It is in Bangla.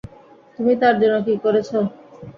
তুমি তার জন্য কী করেছ?